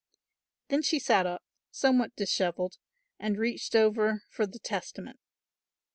Then she sat up somewhat dishevelled and reached over for the Testament.